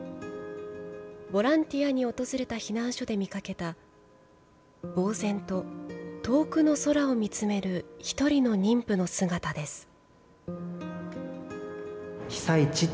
ボランティアに訪れた避難所で見かけた、ぼう然と遠くの空を見つめる１人の妊婦の姿です。